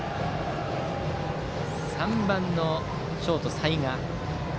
打席は３番のショート、齊賀。